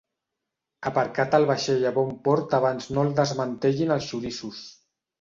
Aparcat el vaixell a bon port abans no el desmantellin els xoriços.